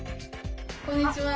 こんにちは。